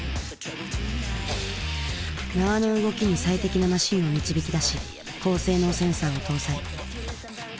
縄の動きに最適なマシンを導き出し高性能センサーを搭載。